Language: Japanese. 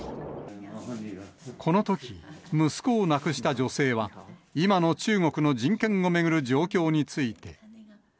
このとき、息子を亡くした女性は、今の中国の人権を巡る状況について。